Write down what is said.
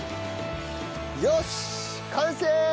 よし完成！